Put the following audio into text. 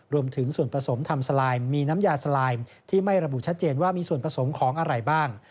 รวมถึงส่วนผสมทำสลายมีน้ำยาสลายที่ไม่ระบุชัดเจนว่ามีส่วนผสมของอะไรบ้าง